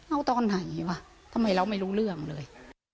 เอาตอนไหนวะทำไมเราไม่รู้เรื่องเลย